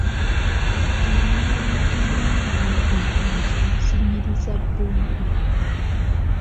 Emmuli ennange obulungi zinyiriza bbugwe.